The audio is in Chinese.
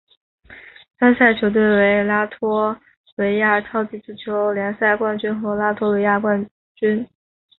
参赛球队为拉脱维亚超级足球联赛冠军和拉脱维亚杯冠军。